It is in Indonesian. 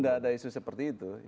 tidak ada isu seperti itu